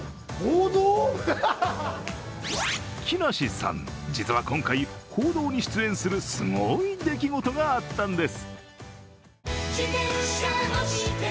木梨さん、実は今回、報道に出演するすごい出来事があったんです。